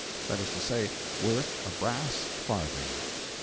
That is to say, worth a brass farthing.